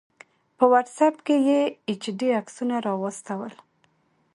په واټس آپ کې یې ایچ ډي عکسونه راواستول